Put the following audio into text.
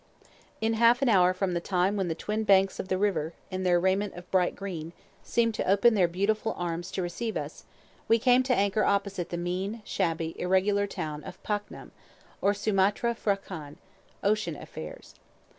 In half an hour from the time when the twin banks of the river, in their raiment of bright green, seemed to open their beautiful arms to receive us, we came to anchor opposite the mean, shabby, irregular town of Paknam, or Sumuttra P'hra kan ("Ocean Affairs").